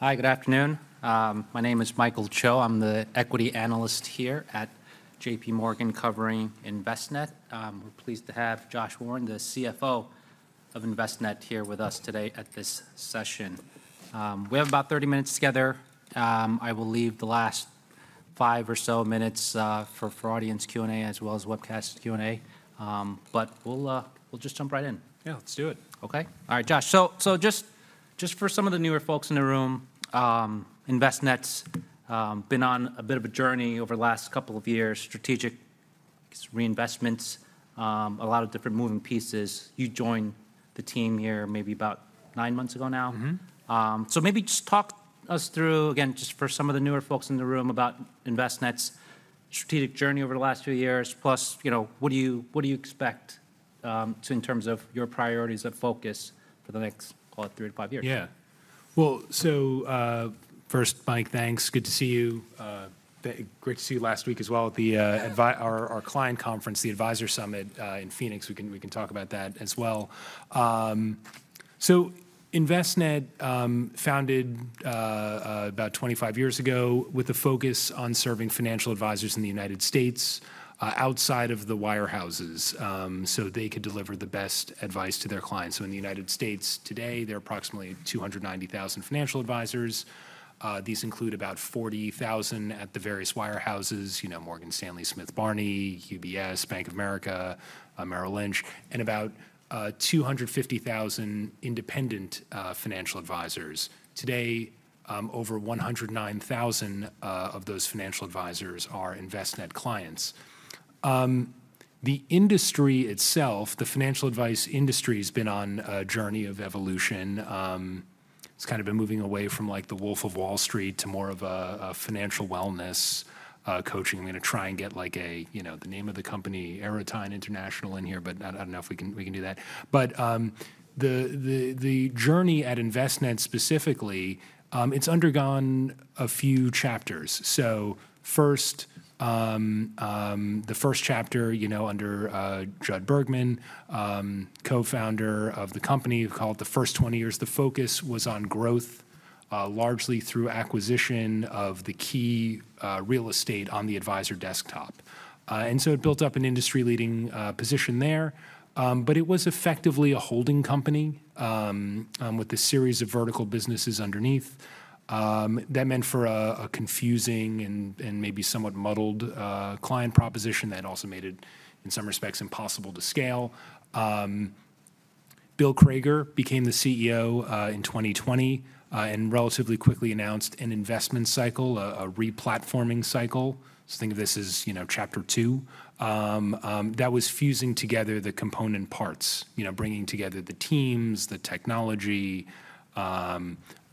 Hi, good afternoon. My name is Michael Cho. I'm the equity analyst here at JPMorgan, covering Envestnet. We're pleased to have Josh Warren, the CFO of Envestnet, here with us today at this session. We have about 30 minutes together. I will leave the last five or so minutes for audience Q&A, as well as webcast Q&A. But we'll just jump right in. Yeah, let's do it. Okay. All right, Josh. So, just for some of the newer folks in the room, Envestnet's been on a bit of a journey over the last couple of years, strategic reinvestments, a lot of different moving pieces. You joined the team here maybe about nine months ago now? Mm-hmm. So maybe just talk us through, again, just for some of the newer folks in the room, about Envestnet's strategic journey over the last few years. Plus, you know, what do you, what do you expect, so in terms of your priorities of focus for the next, call it, three to five years? Yeah. Well, so, first, Mike, thanks. Good to see you. Great to see you last week as well at our client conference, the Advisor Summit, in Phoenix. We can talk about that as well. So Envestnet, founded about 25 years ago with a focus on serving financial advisors in the United States, outside of the wirehouses, so they could deliver the best advice to their clients. So in the United States today, there are approximately 290,000 financial advisors. These include about 40,000 at the various wirehouses, you know, Morgan Stanley, Smith Barney, UBS, Bank of America, Merrill Lynch, and about 250,000 independent financial advisors. Today, over 109,000 of those financial advisors are Envestnet clients. The industry itself, the financial advice industry, has been on a journey of evolution. It's kind of been moving away from, like, the Wolf of Wall Street to more of a financial wellness coaching. I'm gonna try and get, like, you know, the name of the company, Aerotyne International, in here, but I don't know if we can, we can do that. But, the journey at Envestnet specifically, it's undergone a few chapters. So first, the first chapter, you know, under Judd Bergman, co-founder of the company, call it the first 20 years, the focus was on growth, largely through acquisition of the key real estate on the advisor desktop. And so it built up an industry-leading position there, but it was effectively a holding company with a series of vertical businesses underneath. That meant for a confusing and maybe somewhat muddled client proposition that also made it, in some respects, impossible to scale. Bill Crager became the CEO in 2020 and relatively quickly announced an investment cycle, a replatforming cycle. So think of this as, you know, chapter two. That was fusing together the component parts, you know, bringing together the teams, the technology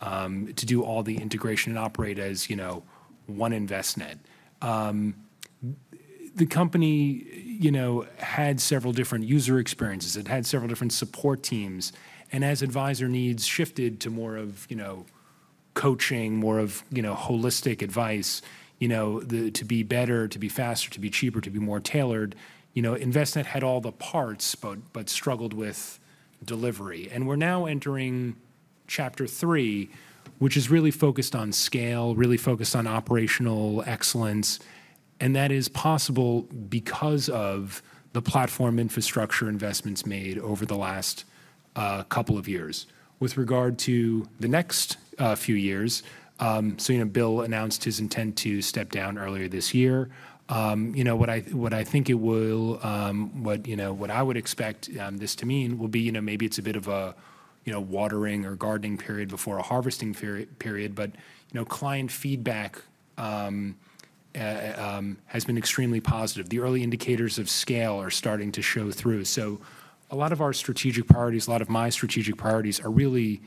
to do all the integration and operate as, you know, one Envestnet. The company, you know, had several different user experiences. It had several different support teams, and as advisor needs shifted to more of, you know, coaching, more of, you know, holistic advice, you know, to be better, to be faster, to be cheaper, to be more tailored, you know, Envestnet had all the parts but struggled with delivery. We're now entering chapter three, which is really focused on scale, really focused on operational excellence, and that is possible because of the platform infrastructure investments made over the last couple of years. With regard to the next few years, so, you know, Bill announced his intent to step down earlier this year. You know, what I, what I think it will... What, you know, what I would expect this to mean will be, you know, maybe it's a bit of a, you know, watering or gardening period before a harvesting period, but, you know, client feedback has been extremely positive. The early indicators of scale are starting to show through. So a lot of our strategic priorities, a lot of my strategic priorities, are really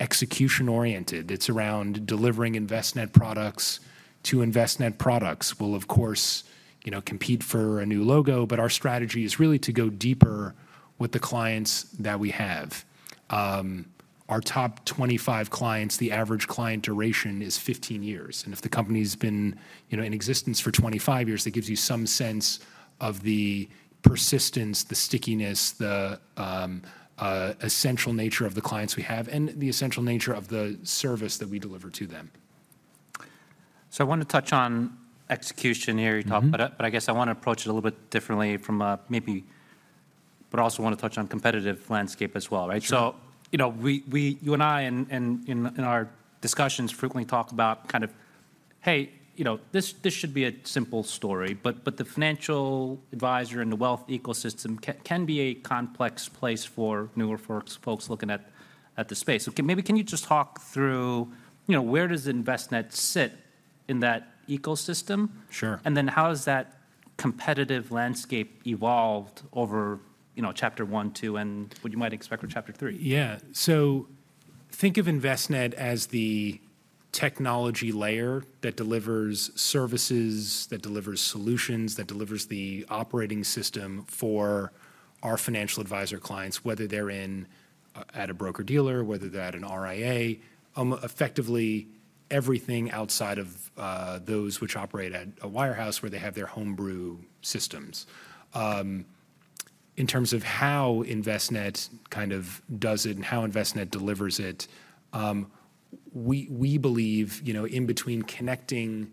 execution-oriented. It's around delivering Envestnet products to Envestnet products. We'll, of course, you know, compete for a new logo, but our strategy is really to go deeper with the clients that we have. Our top 25 clients, the average client duration is 15 years, and if the company's been, you know, in existence for 25 years, that gives you some sense of the persistence, the stickiness, the essential nature of the clients we have and the essential nature of the service that we deliver to them. I want to touch on execution here. Mm-hmm. You talked about it, but I guess I want to approach it a little bit differently from maybe... but I also want to touch on competitive landscape as well, right? Sure. So, you know, we, you and I, in our discussions, frequently talk about kind of, hey, you know, this should be a simple story, but the financial advisor and the wealth ecosystem can be a complex place for newer folks looking at the space. So maybe can you just talk through, you know, where does Envestnet sit in that ecosystem? Sure. And then how has that competitive landscape evolved over, you know, chapter one, two, and what you might expect for chapter three? Yeah. So think of Envestnet as the technology layer that delivers services, that delivers solutions, that delivers the operating system for our financial advisor clients, whether they're in at a broker-dealer, whether they're at an RIA, effectively everything outside of those which operate at a wirehouse, where they have their homebrew systems. In terms of how Envestnet kind of does it and how Envestnet delivers it, we believe, you know, in between connecting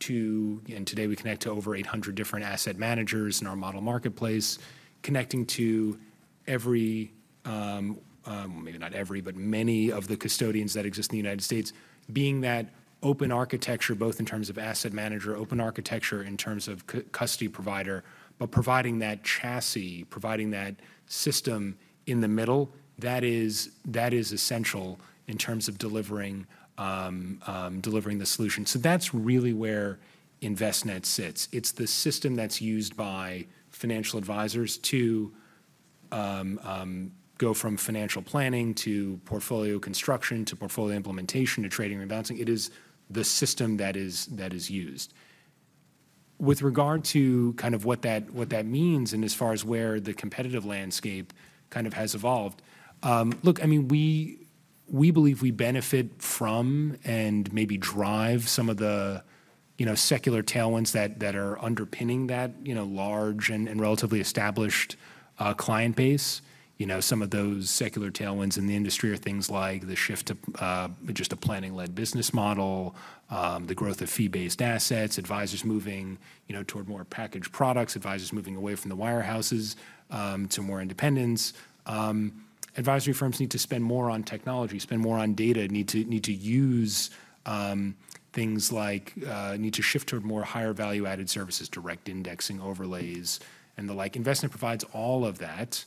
to, and today we connect to over 800 different asset managers in our Model Marketplace, connecting to every, maybe not every, but many of the custodians that exist in the United States, being that open architecture, both in terms of asset manager, open architecture, in terms of custody provider, but providing that chassis, providing that system in the middle, that is essential in terms of delivering the solution. So that's really where Envestnet sits. It's the system that's used by financial advisors to go from financial planning to portfolio construction, to portfolio implementation, to trading and balancing. It is the system that is used. With regard to kind of what that means, and as far as where the competitive landscape kind of has evolved, look, I mean, we believe we benefit from and maybe drive some of the, you know, secular tailwinds that are underpinning that, you know, large and relatively established client base. You know, some of those secular tailwinds in the industry are things like the shift to just a planning-led business model, the growth of fee-based assets, advisors moving, you know, toward more packaged products, advisors moving away from the wirehouses to more independence. Advisory firms need to spend more on technology, spend more on data, need to use things like, need to shift toward more higher value-added services, direct indexing, overlays, and the like. Envestnet provides all of that,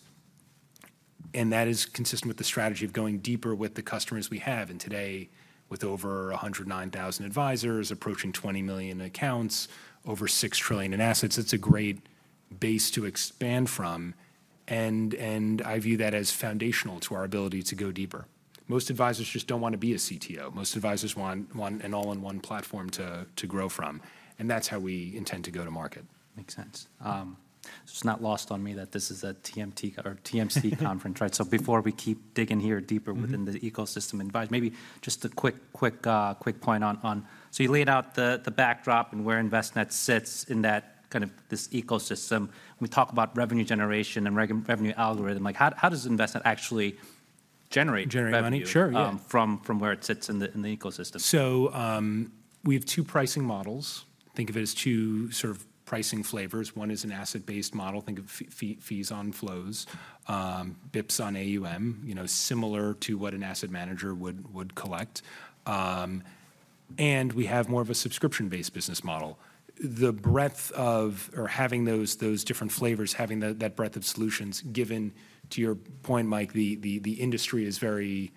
and that is consistent with the strategy of going deeper with the customers we have. And today, with over 109,000 advisors, approaching 20 million accounts, over $6 trillion in assets, it's a great base to expand from, and, and I view that as foundational to our ability to go deeper. Most advisors just don't want to be a CTO. Most advisors want, want an all-in-one platform to, to grow from, and that's how we intend to go to market. Makes sense. So it's not lost on me that this is a TMT or TMC conference, right? So before we keep digging here deeper- Mm-hmm... within the ecosystem advice, maybe just a quick point on... So you laid out the backdrop and where Envestnet sits in that kind of this ecosystem. We talk about revenue generation and revenue algorithm. Like, how does Envestnet actually generate revenue- Generate revenue? Sure, yeah.... from where it sits in the ecosystem? So, we have two pricing models. Think of it as two sort of pricing flavors. One is an asset-based model. Think of fees on flows, basis points on AUM, you know, similar to what an asset manager would, would collect. And we have more of a subscription-based business model. The breadth of or having those, those different flavors, having that, that breadth of solutions, given, to your point, Mike, the industry is very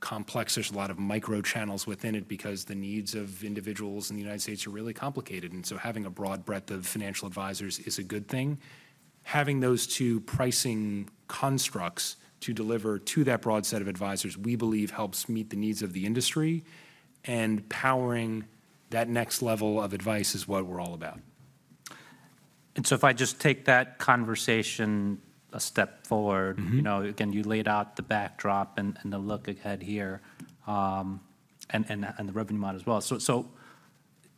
complex. There's a lot of micro channels within it because the needs of individuals in the United States are really complicated, and so having a broad breadth of financial advisors is a good thing. Having those two pricing constructs to deliver to that broad set of advisors, we believe, helps meet the needs of the industry, and powering that next level of advice is what we're all about. And so if I just take that conversation a step forward- Mm-hmm... you know, again, you laid out the backdrop and the look ahead here, and the revenue model as well. So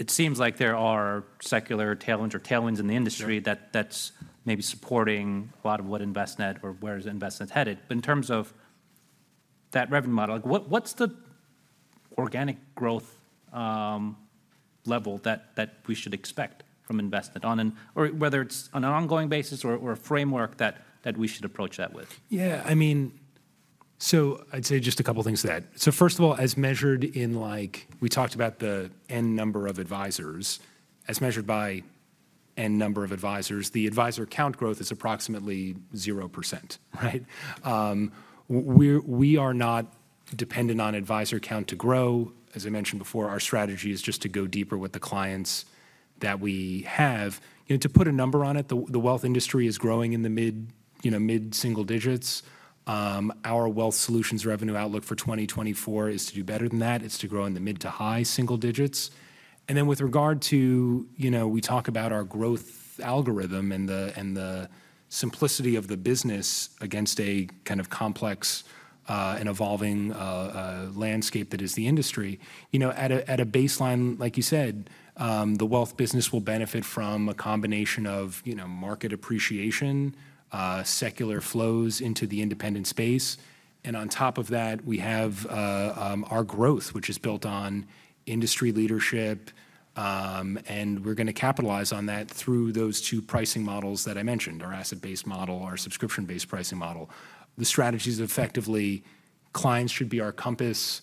it seems like there are secular tailwinds or tailwinds in the industry- Sure... that, that's maybe supporting a lot of what Envestnet or where Envestnet's headed. But in terms of that revenue model, like, what, what's the organic growth level that, that we should expect from Envestnet on an... or whether it's on an ongoing basis or, or a framework that, that we should approach that with? Yeah, I mean, so I'd say just a couple things to that. So first of all, as measured in, like, we talked about the N number of advisors. As measured by N number of advisors, the advisor count growth is approximately 0%, right? We are not dependent on advisor count to grow. As I mentioned before, our strategy is just to go deeper with the clients that we have. You know, to put a number on it, the wealth industry is growing in the mid, you know, mid-single digits. Our Wealth Solutions revenue outlook for 2024 is to do better than that. It's to grow in the mid to high single digits. And then with regard to, you know, we talk about our growth algorithm and the simplicity of the business against a kind of complex and evolving landscape that is the industry. You know, at a baseline, like you said, the wealth business will benefit from a combination of, you know, market appreciation, secular flows into the independent space, and on top of that, we have our growth, which is built on industry leadership. And we're gonna capitalize on that through those two pricing models that I mentioned, our asset-based model, our subscription-based pricing model. The strategy's effectively, clients should be our compass,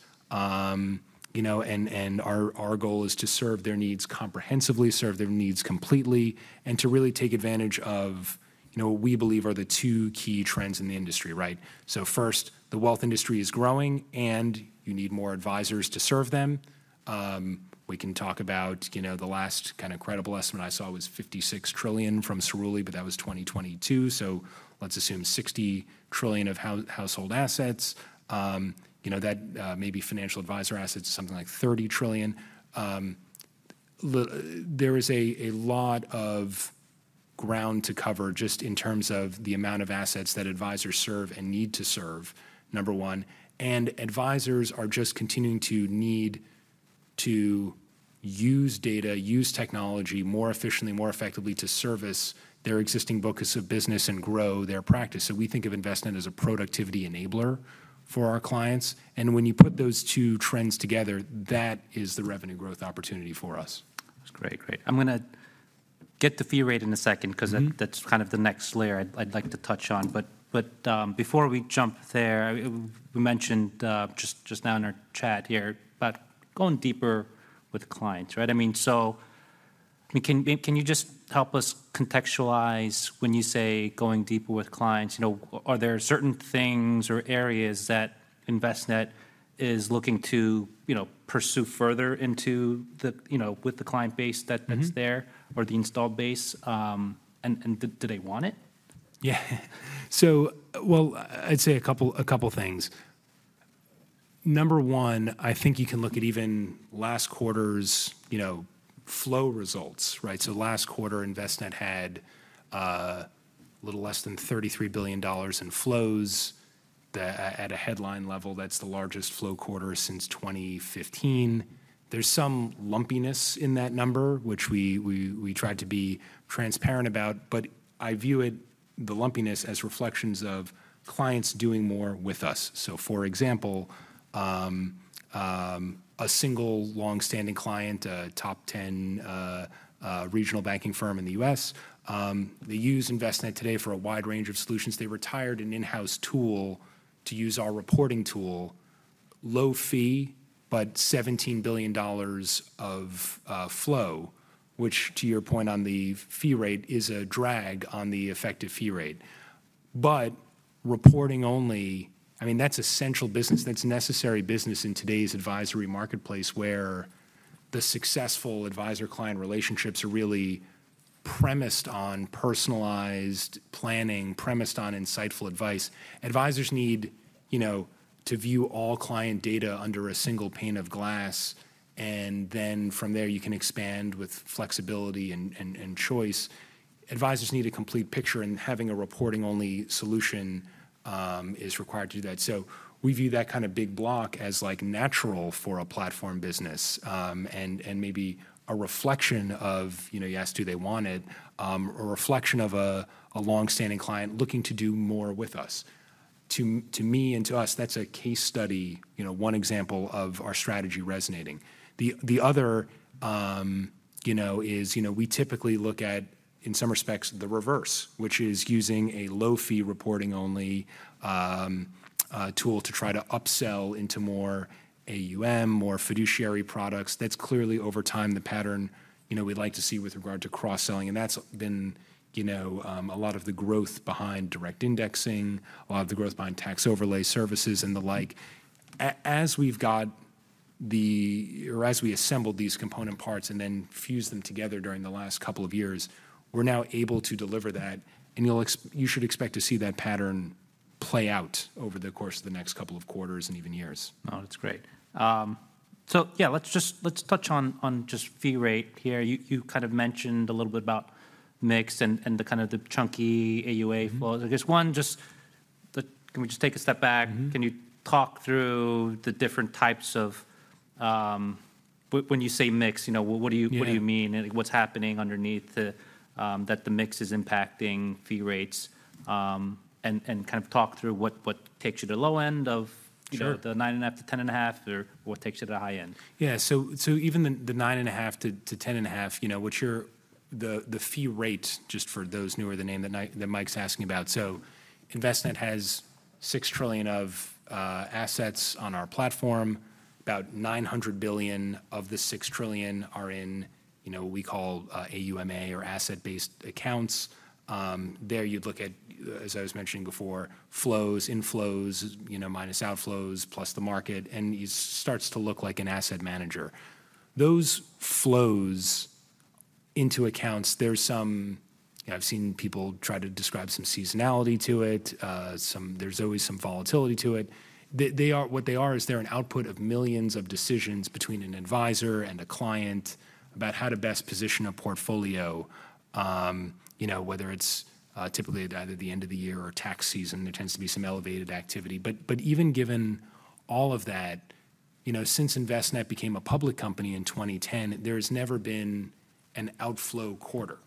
you know, and, and our, our goal is to serve their needs comprehensively, serve their needs completely, and to really take advantage of, you know, what we believe are the two key trends in the industry, right? So first, the wealth industry is growing, and you need more advisors to serve them. We can talk about, you know, the last kind of credible estimate I saw was $56 trillion from Cerulli, but that was 2022, so let's assume $60 trillion of household assets. You know, that, maybe financial advisor assets, something like $30 trillion. There is a lot of ground to cover just in terms of the amount of assets that advisors serve and need to serve, number one, and advisors are just continuing to need-... to use data, use technology more efficiently, more effectively to service their existing focus of business and grow their practice. So we think of Envestnet as a productivity enabler for our clients, and when you put those two trends together, that is the revenue growth opportunity for us. That's great, great. I'm gonna get to fee rate in a second- Mm-hmm... 'cause that, that's kind of the next layer I'd like to touch on. But before we jump there, we mentioned just now in our chat here about going deeper with clients, right? I mean, so can you just help us contextualize when you say going deeper with clients? You know, are there certain things or areas that Envestnet is looking to, you know, pursue further into the, you know, with the client base that- Mm-hmm... that's there, or the installed base? And do they want it? Yeah. So, well, I'd say a couple things. Number one, I think you can look at even last quarter's, you know, flow results, right? So last quarter, Envestnet had a little less than $33 billion in flows. At a headline level, that's the largest flow quarter since 2015. There's some lumpiness in that number, which we tried to be transparent about, but I view the lumpiness as reflections of clients doing more with us. So, for example, a single long-standing client, a top 10 regional banking firm in the U.S., they use Envestnet today for a wide range of solutions. They retired an in-house tool to use our reporting tool. Low fee, but $17 billion of flow, which, to your point on the fee rate, is a drag on the effective fee rate. But reporting only, I mean, that's essential business. That's necessary business in today's advisory marketplace, where the successful advisor-client relationships are really premised on personalized planning, premised on insightful advice. Advisors need, you know, to view all client data under a single pane of glass, and then from there, you can expand with flexibility and choice. Advisors need a complete picture, and having a reporting-only solution is required to do that. So we view that kind of big block as, like, natural for a platform business, and maybe a reflection of, you know, you asked, do they want it, a reflection of a long-standing client looking to do more with us. To me and to us, that's a case study, you know, one example of our strategy resonating. The other, you know, is, you know, we typically look at, in some respects, the reverse, which is using a low-fee, reporting-only tool to try to upsell into more AUM, more fiduciary products. That's clearly, over time, the pattern, you know, we'd like to see with regard to cross-selling, and that's been, you know, a lot of the growth behind direct indexing, a lot of the growth behind tax overlay services, and the like. Or as we assembled these component parts and then fused them together during the last couple of years, we're now able to deliver that, and you should expect to see that pattern play out over the course of the next couple of quarters and even years. Oh, that's great. So yeah, let's just, let's touch on, on just fee rate here. You, you kind of mentioned a little bit about mix and, and the kind of the chunky AUA- Mm-hmm... flows. I guess, one, just can we just take a step back? Mm-hmm. Can you talk through the different types of, when you say mix, you know, what do you- Yeah... what do you mean? What's happening underneath the, that the mix is impacting fee rates? And, and kind of talk through what, what takes you to the low end of- Sure... you know, the 9.5-10.5, or what takes you to the high end? Yeah, so even the 9.5-10.5, you know, which are the fee rate, just for those newer, the name that Mike's asking about. So Envestnet has $6 trillion of assets on our platform. About $900 billion of the $6 trillion are in, you know, we call AUM/A or asset-based accounts. There you'd look at, as I was mentioning before, flows, inflows, you know, minus outflows, plus the market, and it starts to look like an asset manager. Those flows into accounts, there's some. I've seen people try to describe some seasonality to it. Some, there's always some volatility to it. They are what they are is, they're an output of millions of decisions between an advisor and a client about how to best position a portfolio. You know, whether it's typically at either the end of the year or tax season, there tends to be some elevated activity. But even given all of that, you know, since Envestnet became a public company in 2010, there's never been an outflow quarter.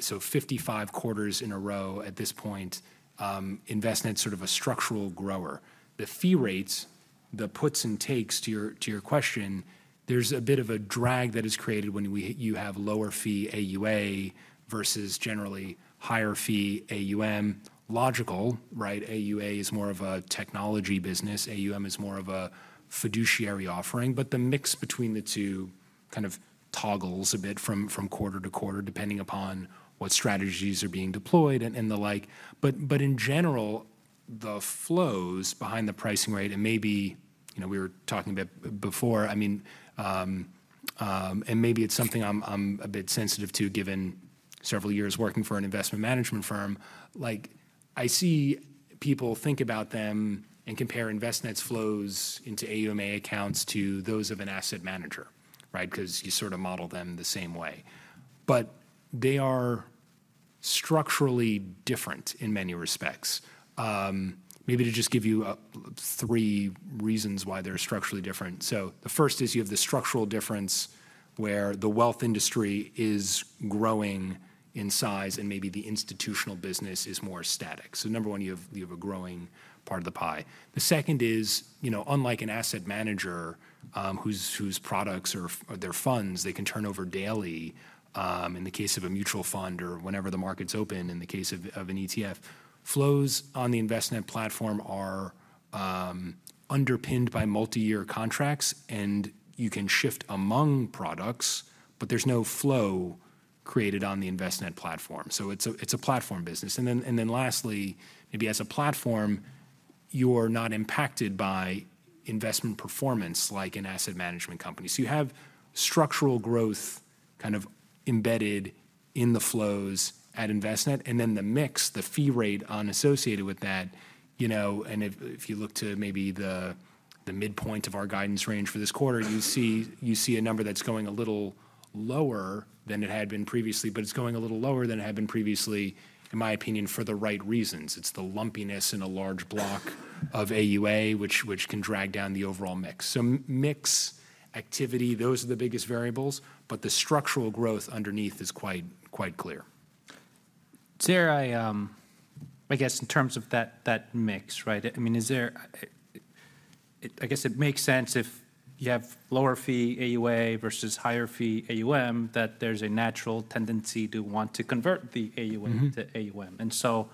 So 55 quarters in a row at this point, Envestnet's sort of a structural grower. The fee rates, the puts and takes, to your question, there's a bit of a drag that is created when you have lower-fee AUA versus generally higher-fee AUM. Logical, right? AUA is more of a technology business. AUM is more of a fiduciary offering. But the mix between the two kind of toggles a bit from quarter to quarter, depending upon what strategies are being deployed and the like. But in general, the flows behind the pricing rate, and maybe, you know, we were talking a bit before, I mean, and maybe it's something I'm a bit sensitive to, given several years working for an investment management firm. Like, I see people think about them and compare Envestnet's flows into AUM/A accounts to those of an asset manager, right? Because you sort of model them the same way. But they are structurally different in many respects. Maybe to just give you three reasons why they're structurally different. So the first is you have the structural difference, where the wealth industry is growing in size, and maybe the institutional business is more static. So number one, you have a growing part of the pie. The second is, you know, unlike an asset manager, whose products or their funds, they can turn over daily, in the case of a mutual fund or whenever the market's open, in the case of an ETF, flows on the Envestnet platform are underpinned by multi-year contracts, and you can shift among products, but there's no flow created on the Envestnet platform, so it's a platform business. And then lastly, maybe as a platform, you're not impacted by investment performance like an asset management company. So you have structural growth kind of embedded in the flows at Envestnet, and then the mix, the fee rate unassociated with that, you know, and if you look to maybe the midpoint of our guidance range for this quarter, you see a number that's going a little lower than it had been previously, but it's going a little lower than it had been previously, in my opinion, for the right reasons. It's the lumpiness in a large block of AUA, which can drag down the overall mix. So mix, activity, those are the biggest variables, but the structural growth underneath is quite clear. Is there... I, I guess in terms of that, that mix, right? I mean, is there, I guess it makes sense if you have lower-fee AUA versus higher-fee AUM, that there's a natural tendency to want to convert the AUA- Mm-hmm... to AUM. And so,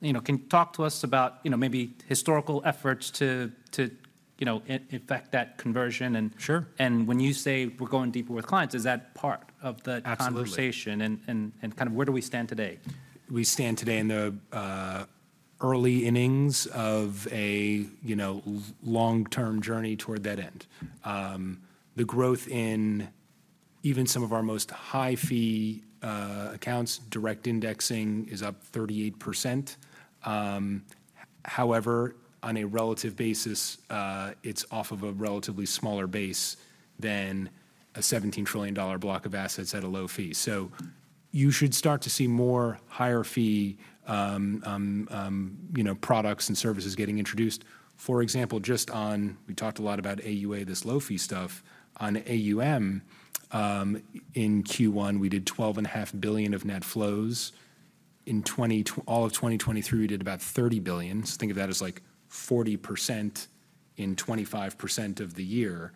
you know, can you talk to us about, you know, maybe historical efforts to, you know, effect that conversion? And- Sure. When you say, "We're going deeper with clients," is that part of the- Absolutely... conversation, and kind of where do we stand today? We stand today in the early innings of a you know long-term journey toward that end. The growth in even some of our most high-fee accounts, direct indexing is up 38%. However, on a relative basis, it's off of a relatively smaller base than a $17 trillion block of assets at a low fee. So you should start to see more higher-fee you know products and services getting introduced. For example, just on we talked a lot about AUA, this low-fee stuff. On AUM, in Q1, we did $12.5 billion of net flows. In all of 2023, we did about $30 billion. So think of that as, like, 40% in 25% of the year.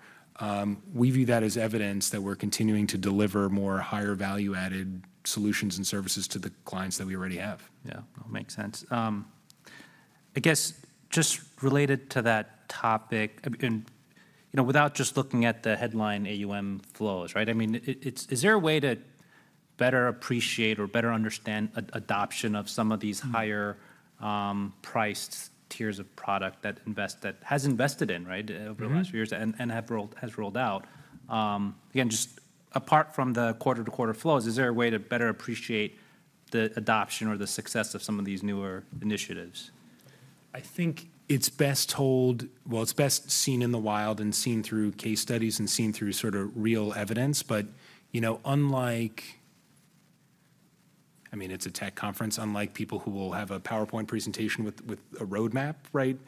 We view that as evidence that we're continuing to deliver more higher-value-added solutions and services to the clients that we already have. Yeah, that makes sense. I guess just related to that topic, and you know, without just looking at the headline AUM flows, right? I mean, is there a way to better appreciate or better understand adoption of some of these higher priced tiers of product that Envestnet has invested in, right? Mm-hmm... over the last few years and have rolled out? Again, just apart from the quarter-to-quarter flows, is there a way to better appreciate the adoption or the success of some of these newer initiatives? I think it's best told... Well, it's best seen in the wild, and seen through case studies, and seen through sort of real evidence. But, you know, unlike-- I mean, it's a tech conference, unlike people who will have a PowerPoint presentation with, with a roadmap, right?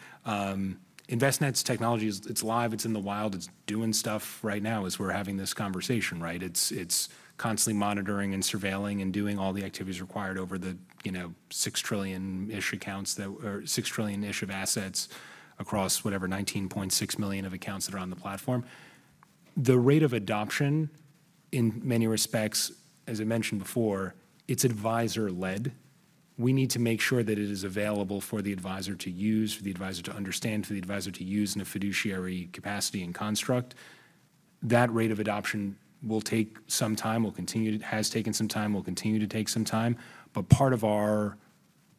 Envestnet's technology is, it's live, it's in the wild, it's doing stuff right now as we're having this conversation, right? It's, it's constantly monitoring and surveilling and doing all the activities required over the, you know, $6 trillion-ish accounts that or $6 trillion-ish of assets across whatever, 19.6 million of accounts that are on the platform. The rate of adoption, in many respects, as I mentioned before, it's advisor-led. We need to make sure that it is available for the advisor to use, for the advisor to understand, for the advisor to use in a fiduciary capacity and construct. That rate of adoption will take some time, has taken some time, will continue to take some time. But part of our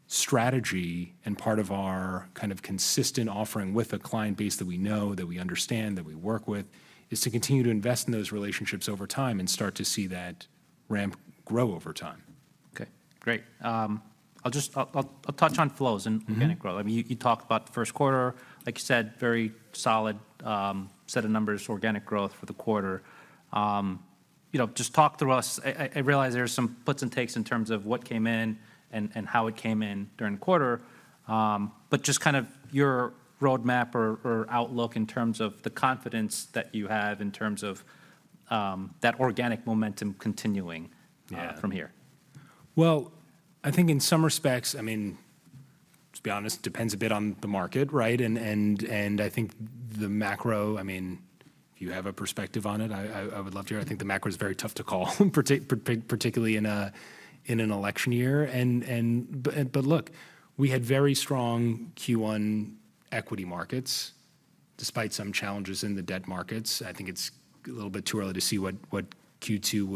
strategy and part of our kind of consistent offering with a client base that we know, that we understand, that we work with, is to continue to invest in those relationships over time and start to see that ramp grow over time. Okay, great. I'll just touch on flows- Mm-hmm... and organic growth. I mean, you talked about the first quarter. Like you said, very solid set of numbers, organic growth for the quarter. You know, just talk through us—I realize there are some puts and takes in terms of what came in and how it came in during the quarter, but just kind of your roadmap or outlook in terms of the confidence that you have in terms of that organic momentum continuing- Uh... from here. Well, I think in some respects, I mean, to be honest, it depends a bit on the market, right? And I think the macro, I mean, if you have a perspective on it, I would love to hear. I think the macro is very tough to call, particularly in an election year. But look, we had very strong Q1 equity markets, despite some challenges in the debt markets. I think it's a little bit too early to see what Q2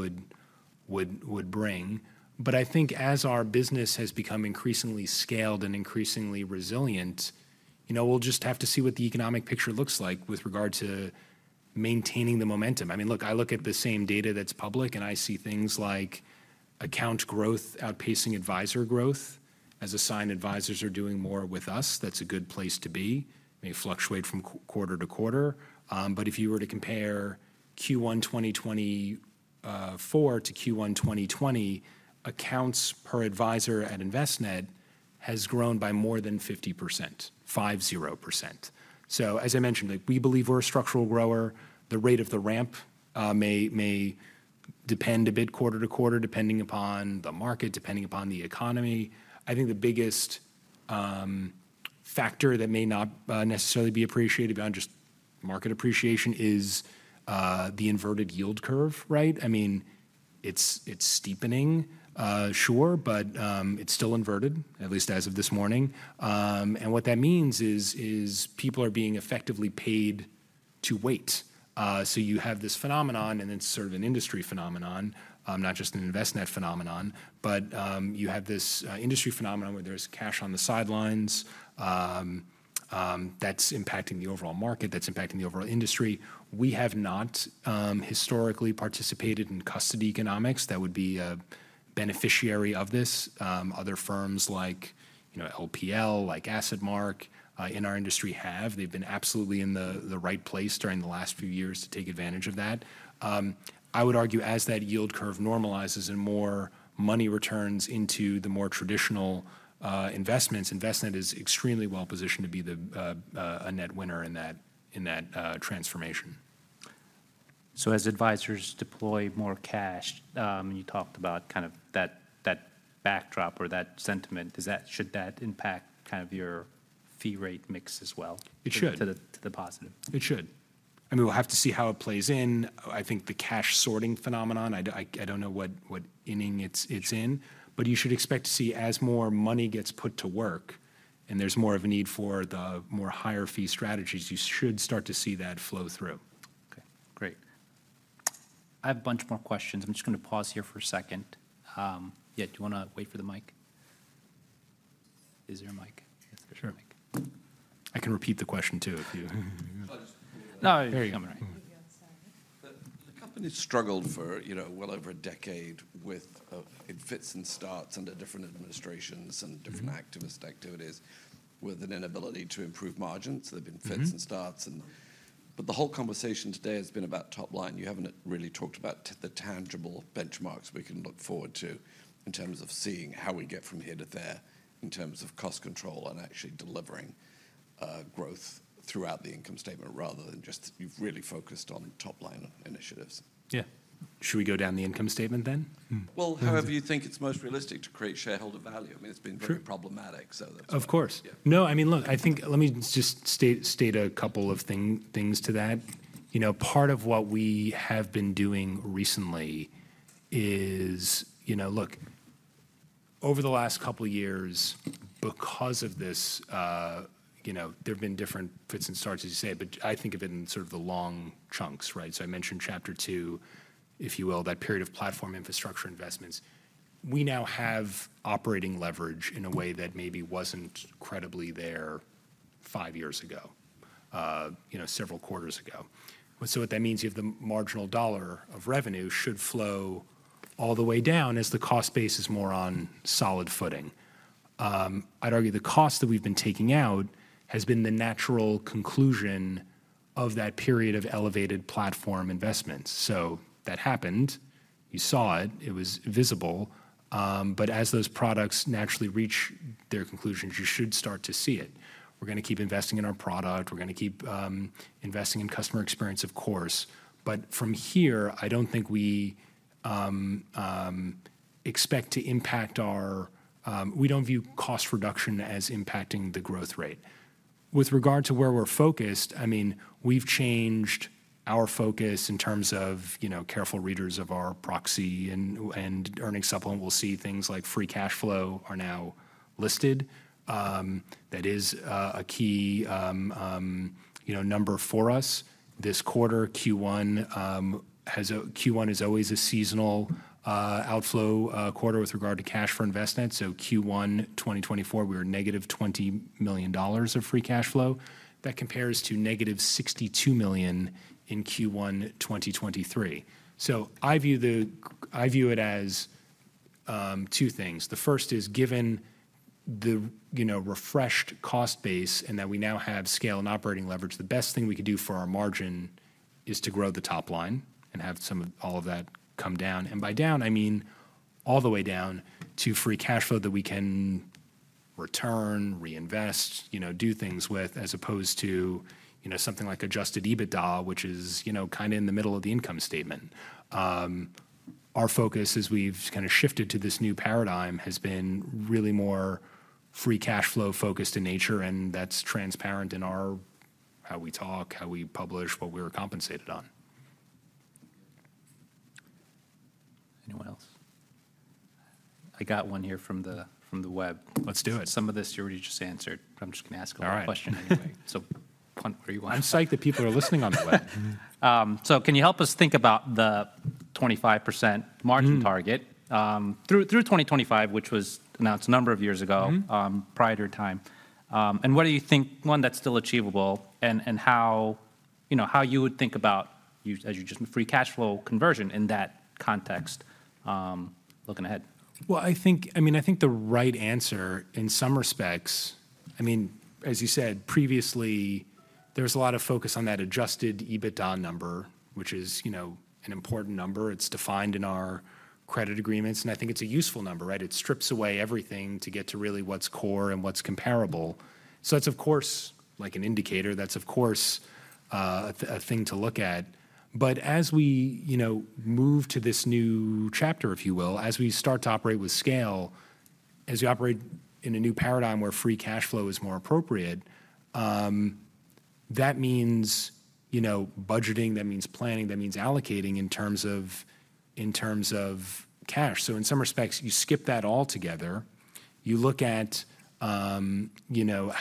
would bring. But I think as our business has become increasingly scaled and increasingly resilient, you know, we'll just have to see what the economic picture looks like with regard to maintaining the momentum. I mean, look, I look at the same data that's public, and I see things like account growth outpacing advisor growth.... As a sign, advisors are doing more with us. That's a good place to be. May fluctuate from quarter to quarter. But if you were to compare Q1 2024 to Q1 2020, accounts per advisor at Envestnet has grown by more than 50%, 50%. So as I mentioned, like, we believe we're a structural grower. The rate of the ramp may depend a bit quarter to quarter, depending upon the market, depending upon the economy. I think the biggest factor that may not necessarily be appreciated beyond just market appreciation is the inverted yield curve, right? I mean, it's steepening, sure, but it's still inverted, at least as of this morning. And what that means is people are being effectively paid to wait. So you have this phenomenon, and it's sort of an industry phenomenon, not just an Envestnet phenomenon, but you have this industry phenomenon where there's cash on the sidelines, that's impacting the overall market, that's impacting the overall industry. We have not historically participated in custody economics that would be a beneficiary of this. Other firms like, you know, LPL, like AssetMark in our industry have. They've been absolutely in the right place during the last few years to take advantage of that. I would argue, as that yield curve normalizes and more money returns into the more traditional investments, Envestnet is extremely well-positioned to be a net winner in that transformation. As advisors deploy more cash, and you talked about kind of that backdrop or that sentiment, does that—should that impact kind of your fee rate mix as well- It should... to the positive? It should. I mean, we'll have to see how it plays in. I think the cash sorting phenomenon. I don't know what inning it's in, but you should expect to see as more money gets put to work and there's more of a need for the more higher fee strategies, you should start to see that flow through. Okay, great. I have a bunch more questions. I'm just going to pause here for a second. Yeah, do you wanna wait for the mic? Is there a mic? Sure. There's a mic. I can repeat the question, too, if you... I'll just- No, you're coming right. The company struggled for, you know, well over a decade with, in fits and starts under different administrations- Mm-hmm... and different activist activities, with an inability to improve margins. Mm-hmm. So there have been fits and starts and... But the whole conversation today has been about top line. You haven't really talked about the tangible benchmarks we can look forward to in terms of seeing how we get from here to there, in terms of cost control and actually delivering growth throughout the income statement, rather than just, you've really focused on top-line initiatives. Yeah. Should we go down the income statement then? Mm. Well, however you think it's most realistic to create shareholder value. I mean, it's been- Sure... very problematic, so that's- Of course. Yeah. No, I mean, look, I think, let me just state a couple of things to that. You know, part of what we have been doing recently is. You know, look, over the last couple of years, because of this, you know, there have been different fits and starts, as you say, but I think of it in sort of the long chunks, right? So I mentioned chapter two, if you will, that period of platform infrastructure investments. We now have operating leverage in a way that maybe wasn't credibly there five years ago, you know, several quarters ago. So what that means, you have the marginal dollar of revenue should flow all the way down as the cost base is more on solid footing. I'd argue the cost that we've been taking out has been the natural conclusion of that period of elevated platform investments. So that happened. You saw it. It was visible. But as those products naturally reach their conclusions, you should start to see it. We're gonna keep investing in our product. We're gonna keep investing in customer experience, of course. But from here, I don't think we expect to impact our... We don't view cost reduction as impacting the growth rate. With regard to where we're focused, I mean, we've changed our focus in terms of, you know, careful readers of our proxy and earnings supplement will see things like free cash flow are now listed. That is a key, you know, number for us. This quarter, Q1 is always a seasonal outflow quarter with regard to cash for Envestnet. So Q1 2024, we were negative $20 million of free cash flow. That compares to -$62 million in Q1 2023. So I view the I view it as two things. The first is, given the, you know, refreshed cost base and that we now have scale and operating leverage, the best thing we could do for our margin is to grow the top line and have some of all of that come down, and by down, I mean all the way down to free cash flow that we can return, reinvest, you know, do things with, as opposed to, you know, something like Adjusted EBITDA, which is, you know, kind of in the middle of the income statement. Our focus, as we've kind of shifted to this new paradigm, has been really more free cash flow focused in nature, and that's transparent in our how we talk, how we publish, what we were compensated on. Anyone else? I got one here from the web. Let's do it. Some of this you already just answered, but I'm just gonna ask- All right... a question anyway. So, punt, where you want- I'm psyched that people are listening on the web. Can you help us think about the 25%- Mm... margin target through 2025, which was announced a number of years ago- Mm-hmm... prior to your time? And whether you think, one, that's still achievable, and, and you know, how you would think about use, as you just free cash flow conversion in that context, looking ahead? Well, I think, I mean, I think the right answer in some respects, I mean, as you said previously, there's a lot of focus on that Adjusted EBITDA number, which is, you know, an important number. It's defined in our credit agreements, and I think it's a useful number, right? It strips away everything to get to really what's core and what's comparable. So that's, of course, like an indicator. That's, of course, a thing to look at. But as we, you know, move to this new chapter, if you will, as we start to operate with scale, as you operate in a new paradigm where Free Cash Flow is more appropriate, that means, you know, budgeting, that means planning, that means allocating in terms of, in terms of cash. So in some respects, you skip that altogether. You look at, you know,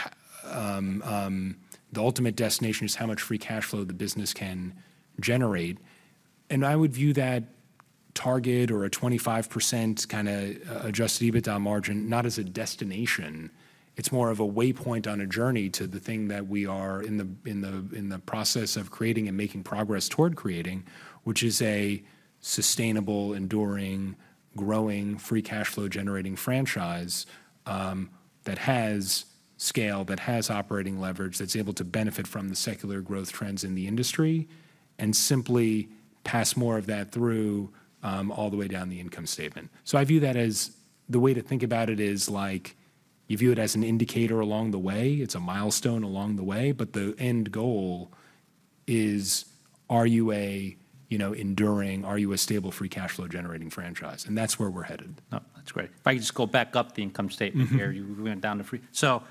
the ultimate destination is how much Free Cash Flow the business can generate. And I would view that target or a 25% kinda Adjusted EBITDA margin, not as a destination. It's more of a way point on a journey to the thing that we are in the process of creating and making progress toward creating, which is a sustainable, enduring, growing, Free Cash Flow-generating franchise, that has scale, that has operating leverage, that's able to benefit from the secular growth trends in the industry, and simply pass more of that through, all the way down the income statement. So I view that as the way to think about it is like, you view it as an indicator along the way. It's a milestone along the way, but the end goal is, are you a, you know, enduring, are you a stable, free cash flow-generating franchise? And that's where we're headed. Oh, that's great. If I could just go back up the income statement here- Mm-hmm. - you went down the free... So,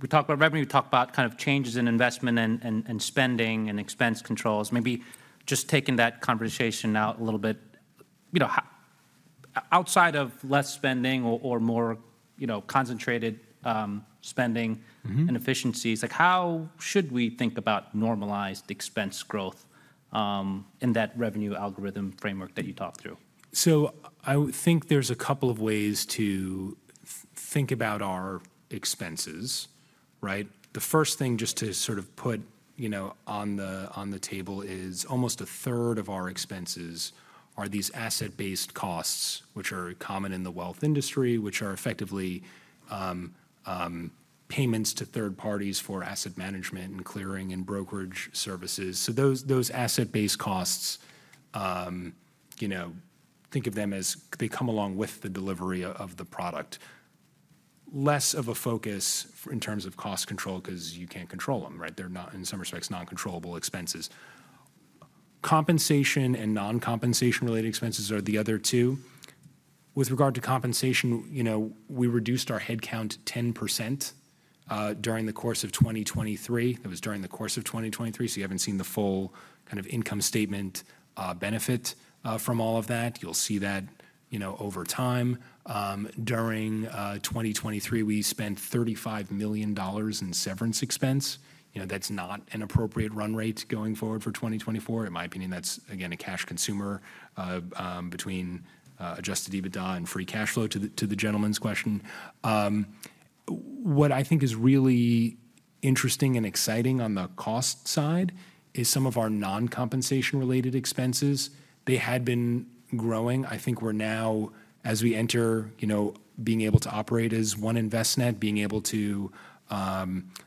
we talked about revenue, we talked about kind of changes in investment and spending and expense controls. Maybe just taking that conversation out a little bit, you know, outside of less spending or more, you know, concentrated spending- Mm-hmm... and efficiencies, like, how should we think about normalized expense growth in that revenue algorithm framework that you talked through? So I think there's a couple of ways to think about our expenses, right? The first thing, just to sort of put, you know, on the, on the table, is almost a third of our expenses are these asset-based costs, which are common in the wealth industry, which are effectively, payments to third parties for asset management and clearing and brokerage services. So those, those asset-based costs, you know, think of them as they come along with the delivery of the product. Less of a focus in terms of cost control, 'cause you can't control them, right? They're not, in some respects, non-controllable expenses. Compensation and non-compensation-related expenses are the other two. With regard to compensation, you know, we reduced our head count 10% during the course of 2023. That was during the course of 2023, so you haven't seen the full kind of income statement, benefit, from all of that. You'll see that, you know, over time. During 2023, we spent $35 million in severance expense. You know, that's not an appropriate run rate going forward for 2024. In my opinion, that's, again, a cash consumer, between Adjusted EBITDA and Free Cash Flow, to the gentleman's question. What I think is really interesting and exciting on the cost side is some of our non-compensation-related expenses. They had been growing. I think we're now, as we enter, you know, being able to operate as one Envestnet, being able to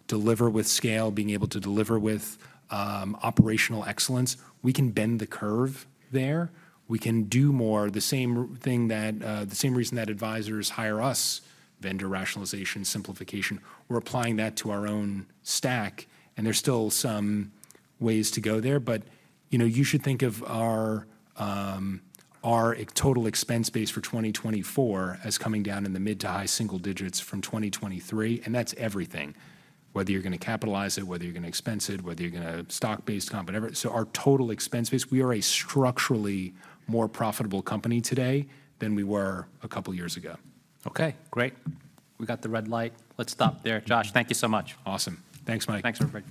deliver with scale, being able to deliver with operational excellence, we can bend the curve there. We can do more. The same reason that advisors hire us, vendor rationalization, simplification, we're applying that to our own stack, and there's still some ways to go there. But, you know, you should think of our total expense base for 2024 as coming down in the mid to high single digits from 2023, and that's everything, whether you're gonna capitalize it, whether you're gonna expense it, whether you're gonna stock-based comp, whatever. So our total expense base, we are a structurally more profitable company today than we were a couple of years ago. Okay, great. We got the red light. Let's stop there. Josh, thank you so much. Awesome. Thanks, Mike. Thanks, everybody.